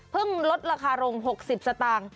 เพิ่งลดราคาลง๖๐สตางค์